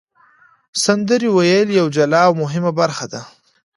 سندرې ویل یوه جلا او مهمه برخه ده.